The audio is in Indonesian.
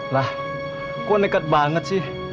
lah kok nekat banget sih